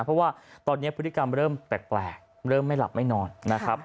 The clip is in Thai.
เพราะว่าตอนนี้พฤติกรรมเริ่มแปลกเริ่มไม่หลับไม่นอนนะครับ